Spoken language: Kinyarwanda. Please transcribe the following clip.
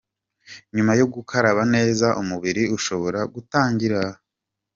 Nyuma yo gukaraba neza umubiri ushobora gutangira